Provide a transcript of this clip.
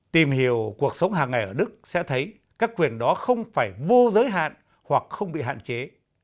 tìm hiểu cuộc sống hàng ngày ở đức sẽ thấy các quyền đó không phải vô giới hạn hoặc không bị hạn chế